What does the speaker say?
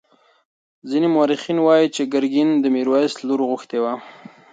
ځینې مورخین وایي چې ګرګین د میرویس لور غوښتې وه.